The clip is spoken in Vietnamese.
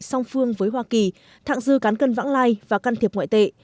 song phương với hoa kỳ thạng dư cán cân vãng lai và can thiệp ngoại tệ